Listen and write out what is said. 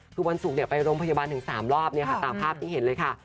คือวันศุกร์ไปโรงพยาบาลถึง๓รอบตามภาพที่เห็นเลยค่ะ